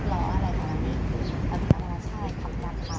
หลังจากนั้นเดี๋ยวกินเขาก็เหลืออีกบ่ายเราเห็นว่าเรากลัวแล้วก็ได้สงสัยเย็นน่าเหมือนกันแล้ว